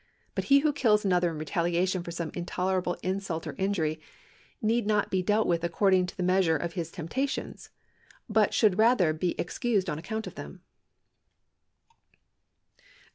But he who kills another in retaliation for some intolerable insult or injury need not be dealt with according to the measure of his tempta tions, but should rather be excused on account of them.